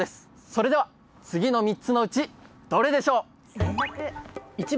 それでは次の３つのうちどれでしょう？